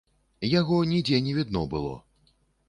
Яго нідзе не відно было.